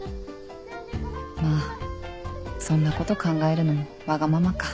まぁそんなこと考えるのもワガママか